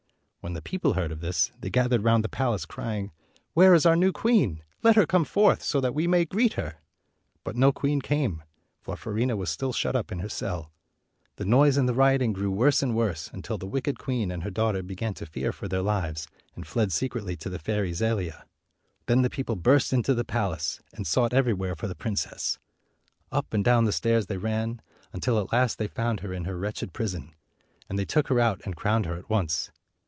When the people heard of this, they gathered round the palace, crying, "Where is our new queen? Let her come forth, so that we may greet her!" But no queen came, for Fiorina was still shut up in her cell. The noise and the rioting grew worse and worse, until the wicked queen and her daughter began to fear for their lives, and fled secretly to the fairy Zelia. Then the people burst into the palace, and sought everywhere for the princess. Up and down the stairs they ran, until at last they found 220 her in her wretched prison, and they took her out and crowned her at once.